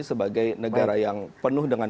sebagai negara yang penuh dengan